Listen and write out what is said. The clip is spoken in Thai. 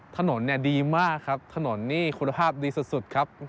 ถนนเนี่ยดีมากครับถนนนี่คุณภาพดีสุดครับ